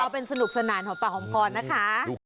เอาเป็นสนุกสนานหอมป่าหอมพรนะคะ